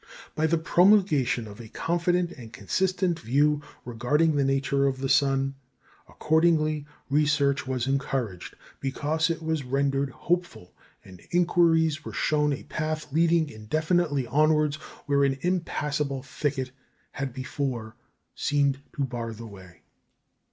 By the promulgation of a confident and consistent view regarding the nature of the sun, accordingly, research was encouraged, because it was rendered hopeful, and inquirers were shown a path leading indefinitely onwards where an impassable thicket had before seemed to bar the way.